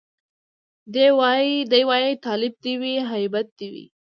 دی وايي تالب دي وي هيبت دي وي